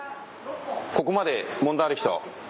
ここまで問題ある人。